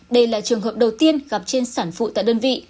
đây là trường hợp đầu tiên gặp trên sản phụ tại đơn vị